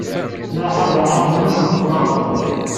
Malḥa Baḥa tennum tbeṭṭel aɣerbaz.